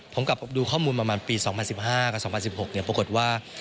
ผมกลับดูข้อมูลปี๒๐๑๕๒๐๑๖ปรากฏว่า